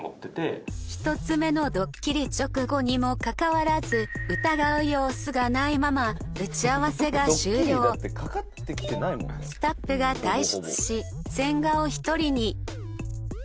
１つ目のドッキリ直後にもかかわらず疑う様子がないままスタッフが退出し千賀を１人に。